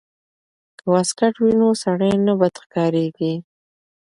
که واسکټ وي نو سړی نه بد ښکاریږي.